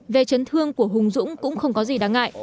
về chấn thương của hùng dũng cũng không có gì đáng ngại